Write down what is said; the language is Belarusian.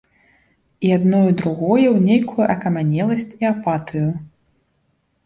І адно і другое ў нейкую акамянеласць і апатыю.